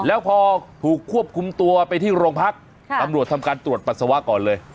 แล้วพอถูกควบคุมตัวไปที่โรงพักตำรวจทำการตรวจปัสสาวะก่อนเลย